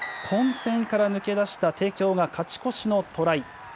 混戦から抜け出した帝京が勝ち越しのトライ。